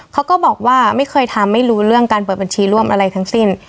เขาก็บอกว่าไม่เคยทำไม่รู้เรื่องการเปิดบัญชีร่วมอะไรทั้งสิ้น